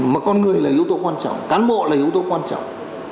mà con người là yếu tố quan trọng cán bộ là yếu tố quan trọng